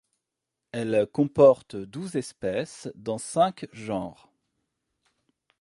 Elle comporte douze espèces dans cinq genres.